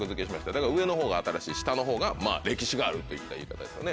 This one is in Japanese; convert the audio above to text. だから上のほうが新しい下のほうが歴史があるといった言い方でしょうね。